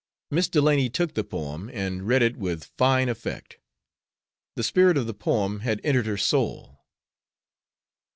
Miss Delany took the poem and read it with fine effect. The spirit of the poem had entered her soul.